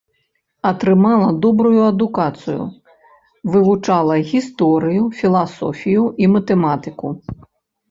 Атрымала добрую адукацыю, вывучала гісторыю, філасофію і матэматыку.